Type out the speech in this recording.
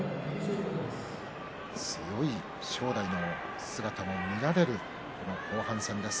強い正代の姿も見られる後半戦です。